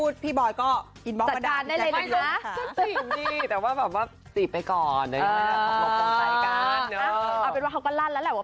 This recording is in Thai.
ถ้าไม่ใช่ตามที่พี่แจ๊คพูด